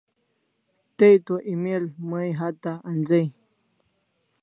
Tay to email may hatya anzai